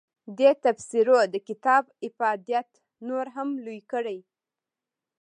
دې تبصرو د کتاب افادیت نور هم لوی کړی.